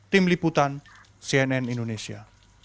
tim liputan cnn indonesia